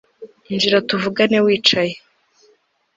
injira tuvugane wicaye